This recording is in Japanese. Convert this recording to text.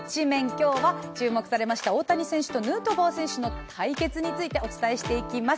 今日は注目されました大谷選手とヌートバー選手の対戦についてお伝えします。